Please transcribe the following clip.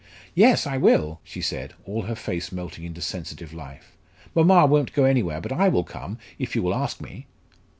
"Yes, I will," she said, all her face melting into sensitive life. "Mamma won't go anywhere, but I will come, if you will ask me."